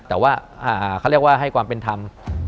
แต่ว่าเขาเรียกว่าให้ความเป็นธรรม